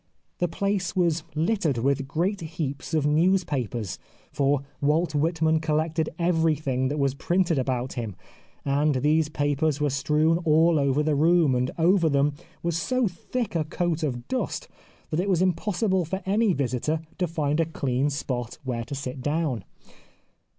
The place was littered with great heaps of news papers, for Walt Whitman collected everything that was printed about him, and these papers were strewn all over the room, and over them was so thick a coat of dust that it was impossible for any visitor to find a clean spot where to sit down.